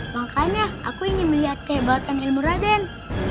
makanya aku ingin melihat kehebatan ilmu raden